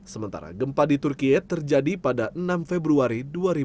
sementara gempa di turkiye terjadi pada enam februari dua ribu dua puluh